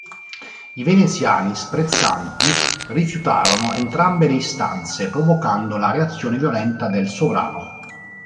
I Veneziani, sprezzanti, rifiutarono entrambe le istanze, provocando la reazione violenta del sovrano.